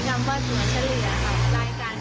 รายการยึดหิบ